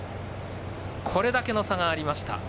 これだけの差がありました。